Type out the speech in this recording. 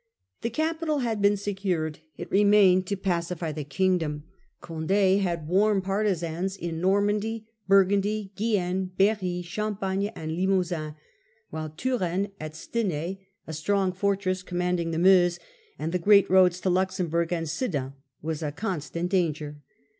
The capital had been secured ; it remained to pacify the kingdom. Conde had warm partisans in Normandy, Burgundy, Guienne, Berri, Champagne, and Lin)pusin ; 54 The New Fronde. 165a while Turenne at Stenai, a strong fortress commanding the Meuse, and the great roads to Luxemburg and Sedan, was a constant danger.